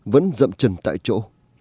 vẫn dậm trần tại chỗ